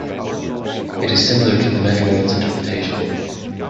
It is similar to the Many-worlds interpretation.